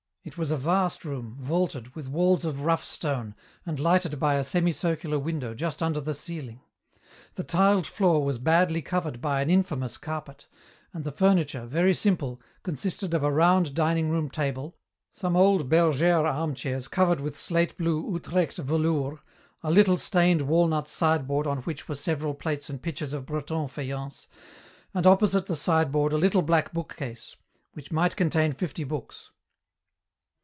It was a vast room, vaulted, with walls of rough stone, and lighted by a semi circular window just under the ceiling. The tiled floor was badly covered by an infamous carpet, and the furniture, very simple, consisted of a round dining room table, some old bergère armchairs covered with slate blue Utrecht velours, a little stained walnut sideboard on which were several plates and pitchers of Breton faience, and opposite the sideboard a little black bookcase, which might contain fifty books.